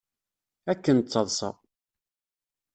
Akken d taḍsa!